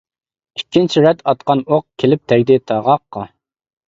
ئىككىنچى رەت ئاتقان ئوق، كېلىپ تەگدى تاغاققا.